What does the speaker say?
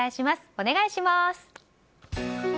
お願いします。